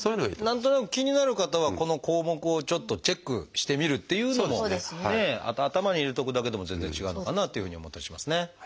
何となく気になる方はこの項目をちょっとチェックしてみるっていうのもね頭に入れておくだけでも全然違うのかなというふうに思ったりしますね。